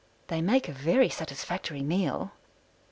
They make a very satisfactory meal.